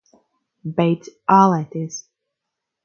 Beidz ālēties!